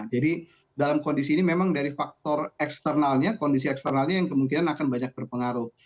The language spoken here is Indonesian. jadi dalam kondisi ini memang dari faktor eksternalnya kondisi eksternalnya yang kemungkinan akan banyak berpengaruh